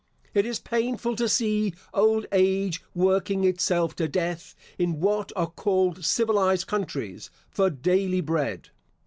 It is painful to see old age working itself to death, in what are called civilised countries, for daily bread.